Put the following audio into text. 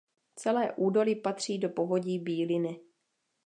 Celé údolí patří do povodí Bíliny.